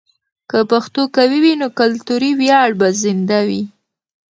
که پښتو قوي وي، نو کلتوري ویاړ به زنده وي.